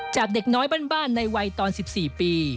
จากเด็กน้อยบ้านในวัยตอน๑๔ปี